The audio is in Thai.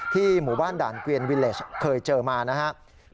หมู่บ้านด่านเกวียนวิเลสเคยเจอมานะครับ